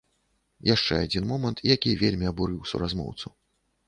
Яшчэ адзін момант, які вельмі абурыў суразмоўцу.